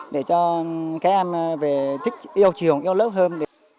để cho các em về thích yêu trường yêu lớp hơn